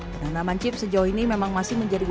penanaman chip sejauh ini memang masih menjadikan